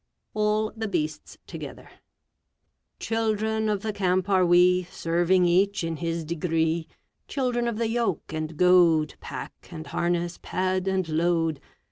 ALL THE BEASTS TOGETHER Children of the Camp are we, Serving each in his degree; Children of the yoke and goad, Pack and harness, pad and load.